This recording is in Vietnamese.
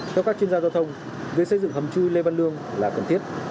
theo các chuyên gia giao thông việc xây dựng hầm chui lê văn lương là cần thiết